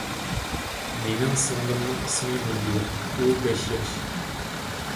مېنىڭ سىڭلىمنىڭ ئىسمى نۇربىيە، ئۇ بەش ياش.